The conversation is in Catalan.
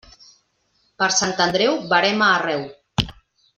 Per Sant Andreu, verema arreu.